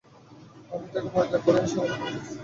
আমরা তাকে পরিত্যাগ করি নি, সেই আমাদের পরিত্যাগ করেছে।